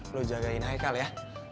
lo jagain haikal ya